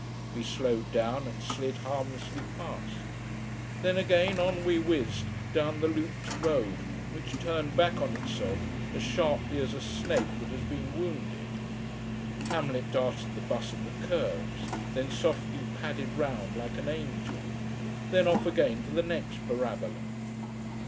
We slowed down and slid harmlessly past. Then again, on we whizzed down the looped road, which turned back on itself as sharply as a snake that has been wounded. Hamlet darted the bus at the curves; then softly padded round like an angel: then off again for the next parabola.